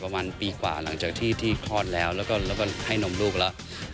ประมาณปีกว่าหลังจากที่คลอดแล้วแล้วก็ให้นมลูกแล้ว